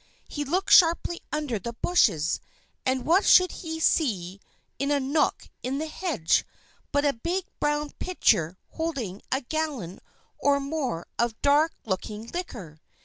He looked sharply under the bushes, and what should he see in a nook in the hedge but a big brown pitcher holding a gallon or more of dark looking liquor.